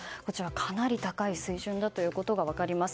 かなり高い水準だということが分かります。